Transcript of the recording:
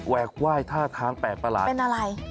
ไหว้ท่าทางแปลกประหลาดเป็นอะไร